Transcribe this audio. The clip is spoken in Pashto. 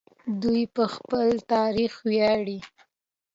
دوی په خپل تاریخ ویاړي.